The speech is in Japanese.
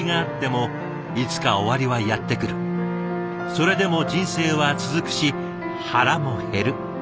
それでも人生は続くし腹も減る。